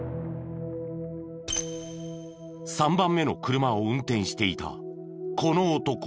３番目の車を運転していたこの男。